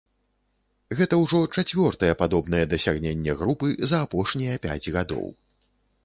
Гэта ўжо чацвёртае падобнае дасягненне групы за апошнія пяць гадоў.